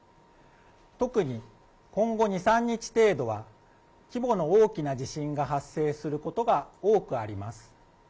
特に、今後２、３日程度は、規模の大きな地震が発生することが多くあります。